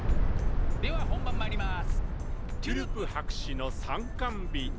では本番まいります。